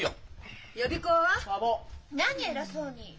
何偉そうに！